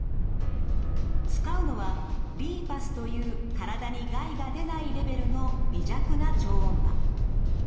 使うのはＬＩＰＵＳという体に害が出ないレベルの微弱な超音波。